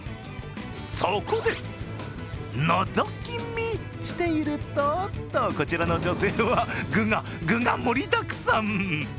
そこで、のぞき見しているとこちらの女性は具が盛りだくさん！